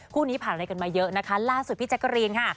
คู่นี้ผ่านอะไรกันมาเยอะนะคะล่าสุดพี่แจ๊กกะรีนค่ะ